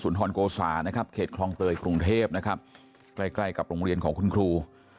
โกสานะครับเขตคลองเตยกรุงเทพนะครับใกล้ใกล้กับโรงเรียนของคุณครู